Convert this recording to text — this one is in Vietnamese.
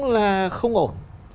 là không ổn